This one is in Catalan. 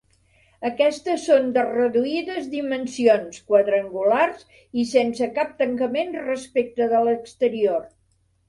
Aquestes són de reduïdes dimensions, quadrangulars i sense cap tancament respecte de l'exterior.